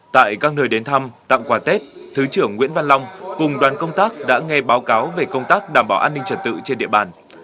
tại các nơi đến thăm tặng quà tết thứ trưởng nguyễn văn long cùng đoàn công tác đã nghe báo cáo về công tác đảm bảo an ninh trật tự trên địa bàn